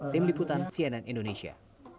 tim liputan cnn indonesia